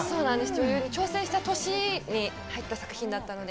女優に挑戦した年に入った作品だったので。